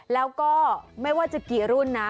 แล้วก็ไม่ว่าจะกี่รุ่นนะ